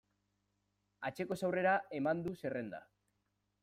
Atzekoz aurrera eman du zerrenda.